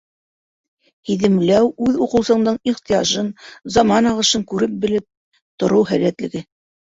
Һиҙемләү үҙ уҡыусыңдың ихтыяжын, заман ағышын күреп-белеп тороу һәләтлеге.